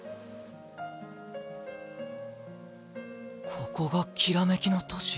ここが煌めきの都市。